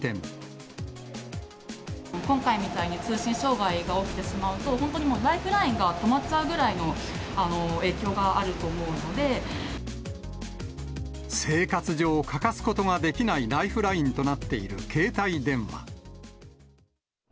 今回みたいに通信障害が起きてしまうと、本当にもう、ライフラインが止まっちゃうぐらいの影生活上、欠かすことができないライフラインとなっている携帯電話。